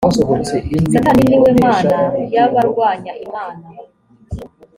satani ni we mana yabarwanya imana.